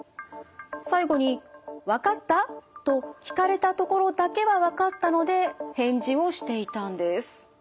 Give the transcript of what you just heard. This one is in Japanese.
最後に「わかった？」と聞かれたところだけはわかったので返事をしていたんです。